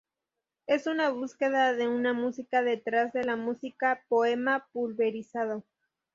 Es una búsqueda de una música detrás de la música: poema pulverizado.